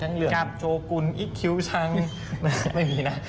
ทั้งเรื่องโชคุนอิคคิวซังไม่มีนะ